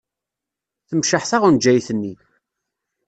Temceḥ taɣenjayt-nni.